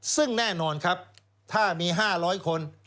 ซึ่งแน่นอนครับถ้ามี๕๐๐คน